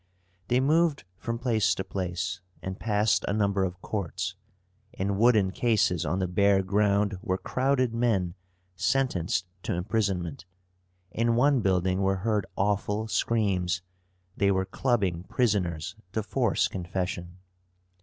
They moved from place to place, and passed a number of courts. In wooden cases on the bare ground were crowded men sentenced to imprisonment. In one building were heard awful screams; they were clubbing prisoners to force confession.